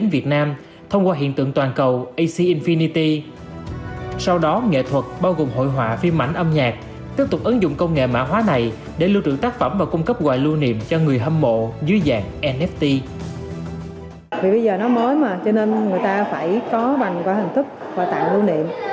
vì bây giờ nó mới mà cho nên người ta phải có bằng quả hình thức quả tặng lưu niệm